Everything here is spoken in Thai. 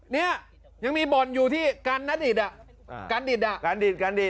เนี่ยยังมีบอลอยู่ที่การนัดดิดอ่ะการดิดอ่ะการดิดการดิด